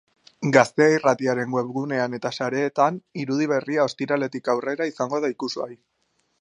Gaztea irratiaren webgunean eta sareetan irudi berria ostiraletik aurrera izango da ikusgai.